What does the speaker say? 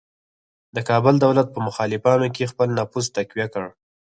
د کابل دولت په مخالفانو کې خپل نفوذ تقویه کړ.